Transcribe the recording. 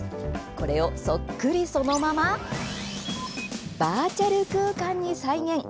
これを、そっくりそのままバーチャル空間に再現。